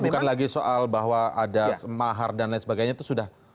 ini bukan lagi soal bahwa ada mahar dan lain sebagainya